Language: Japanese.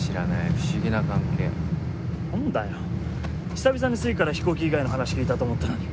久々に粋から飛行機以外の話聞いたと思ったのに。